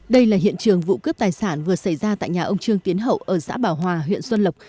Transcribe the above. đây là hiện trường vụ cướp tài sản vừa xảy ra tại nhà ông trương tiến hậu ở xã bảo hòa huyện xuân lộc